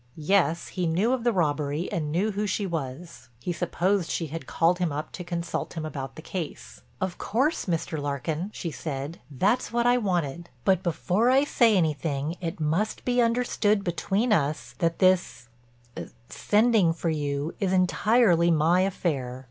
Yes, he knew of the robbery and knew who she was; he supposed she had called him up to consult him about the case. "Of course, Mr. Larkin," she said, "that's what I wanted. But before I say anything it must be understood between us that this—er—sending for you—is entirely my affair.